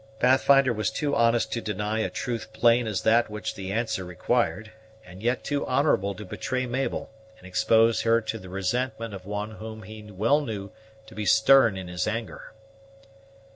Pathfinder was too honest to deny a truth plain as that which the answer required, and yet too honorable to betray Mabel, and expose her to the resentment of one whom he well knew to be stern in his anger.